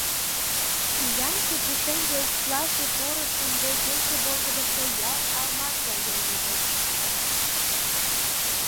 Ияҥше пушеҥге укшласе порыш ынде кече волгыдышто ялт алмаз гай йолгыжеш.